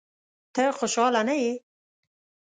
ته خوشاله نه یې؟